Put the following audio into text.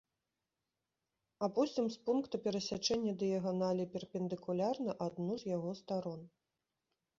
Апусцім з пункта перасячэння дыяганалей перпендыкуляр на адну з яго старон.